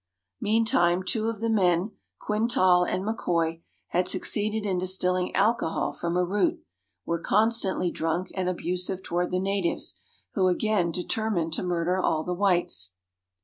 Meantime, two of the men, Quintal and McKoy, had succeeded in distilling alcohol from a root, were constantly drunk, and abusive toward the natives, who again determined to murder all the whites.